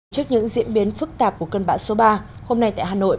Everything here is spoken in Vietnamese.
trước những diễn biến phức tạp của cơn bão số ba hôm nay tại hà nội